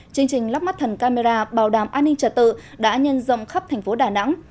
chương trình lắp mắt thần camera bảo đảm an ninh trật tự đã nhân rộng khắp thành phố đà nẵng